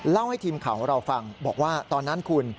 เล่าให้ทีมข่าวของเราฟังบอกว่าตอนนั้นคุณ